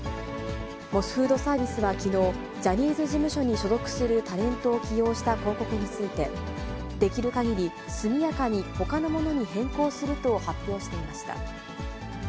モスフードサービスはきのう、ジャニーズ事務所に所属するタレントを起用した広告について、できるかぎり速やかにほかのものに変更すると発表していました。